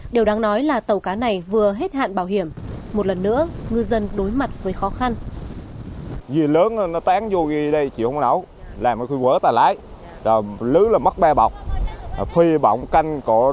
điều đáng nói là tàu cá này vừa hết hạn bảo hiểm một lần nữa ngư dân đối mặt với khó khăn